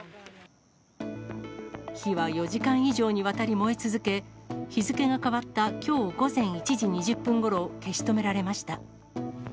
火は４時間以上にわたり燃え続け、日付が変わった、きょう午前１時２０分ごろ、消し止められました。